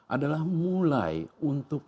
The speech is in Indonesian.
adalah mulai untuk